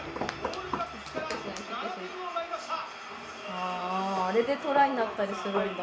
ああれでトライになったりするんだ。